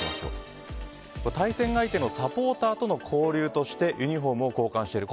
対戦相手のサポーターとの交流としてユニホームを交換している。